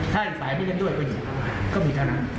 ถ้าอีกฝ่ายไม่เล่นด้วยก็มีเท่านั้น